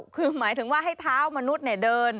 คือหมายถึงว่าให้เท้ามนุษย์เดิน